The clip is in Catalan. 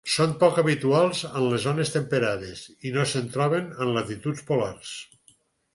Són poc habituals en les zones temperades i no se'n troben en latituds polars.